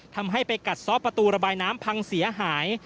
ทำให้ไปกัดซ้อประตูระบายน้ำพังเสียหาย